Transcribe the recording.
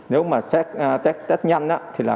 nếu mà test nhanh thì là